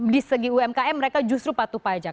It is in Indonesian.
di segi umkm mereka justru patuh pajak